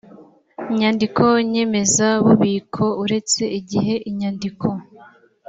nyandiko nyemezabubiko uretse igihe inyandiko